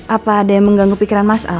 apa ada yang mengganggu pikiran masal